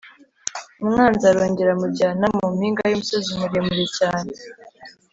Umwanzi arongera amujyana mu mpinga y’umusozi muremure cyane